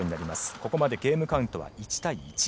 ここまでゲームカウントは１対１。